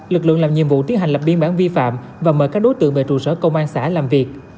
lực lượng làm nhiệm vụ tiến hành lập biên bản vi phạm và mời các đối tượng về trụ sở công an xã làm việc